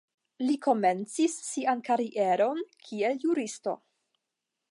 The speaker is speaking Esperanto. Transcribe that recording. Li komencis sian karieron kiel juristo.